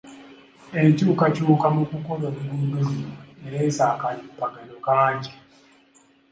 Enkyukakyuka mu kukola oluguudo luno ereese akalipagano kangi.